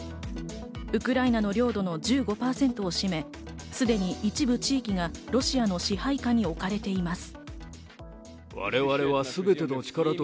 ウクライナの領土の１５％を占め、すでに一部地域がロシアの支配下に置かれています。